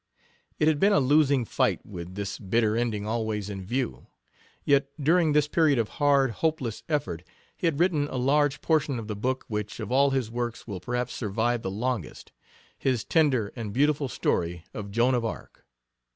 It had been a losing fight, with this bitter ending always in view; yet during this period of hard, hopeless effort he had written a large portion of the book which of all his works will perhaps survive the longest his tender and beautiful story of Joan of Arc.